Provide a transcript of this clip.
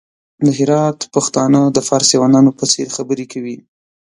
د هرات پښتانه د فارسيوانانو په څېر خبري کوي!